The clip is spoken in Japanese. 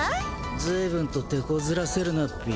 ずいぶんとてこずらせるなっピィ。